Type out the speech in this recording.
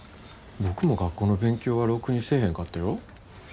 僕も学校の勉強はろくにせえへんかったよ。